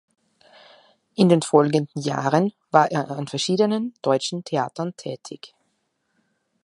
In den folgenden Jahren war er an verschiedenen deutschen Theatern tätig.